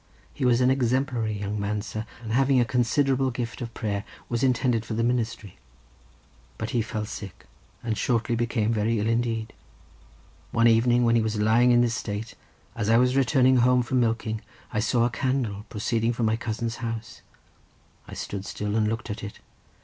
He was an exemplary young man, sir, and having a considerable gift of prayer, was intended for the ministry; but he fell sick, and shortly became very ill indeed. One evening when he was lying in this state, as I was returning home from milking, I saw a candle proceeding from my cousin's house. I stood still and looked at it.